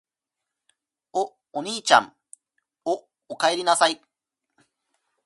お、おにいちゃん・・・お、おかえりなさい・・・